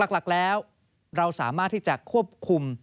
หลักแล้วเราสามารถที่จะควบคุม